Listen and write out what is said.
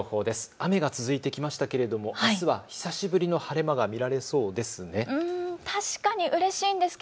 雨が続いてきましたけれどもあすは久しぶりの晴れ間が見られそうですね。